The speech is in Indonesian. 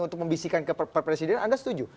untuk membisikkan ke presiden anda setuju